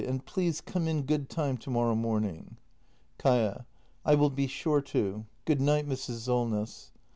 And please come in good time to morrow morning. Kaia. I will be sure to. Good night, Mrs. Solness.